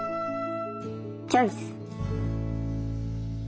チョイス！